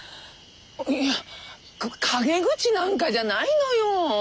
いや陰口なんかじゃないのよ。